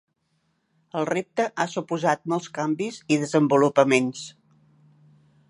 El repte ha suposat molts canvis i desenvolupaments.